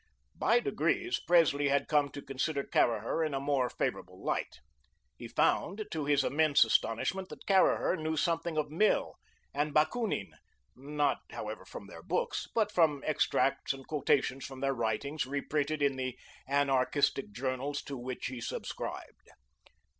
By degrees, Presley had come to consider Caraher in a more favourable light. He found, to his immense astonishment, that Caraher knew something of Mill and Bakounin, not, however, from their books, but from extracts and quotations from their writings, reprinted in the anarchistic journals to which he subscribed.